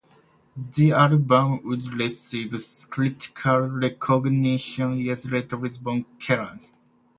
The album would receive critical recognition years later with both Kerrang!